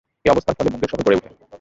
এ অবস্থার ফলে মুঙ্গের শহর গড়ে ওঠে।